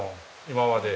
今まで。